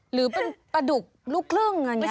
หรือเป็นปลาดุกลูกครึ่งอย่างนี้